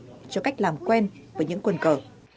bắt đầu được bố dạy cho cách làm quen với những quần cờ